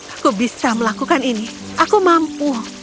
aku bisa melakukan ini aku mampu